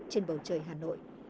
trên bầu trời hà nội